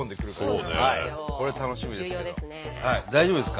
これ楽しみですね。